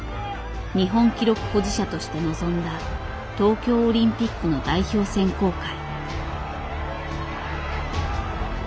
日本記録保持者として臨んだ東京オリンピックの代表選考会。